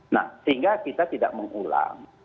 nah sehingga kita tidak mengulang